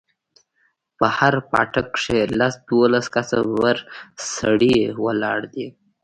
په هر پاټک کښې لس دولس کسه ببر سري ولاړ دي.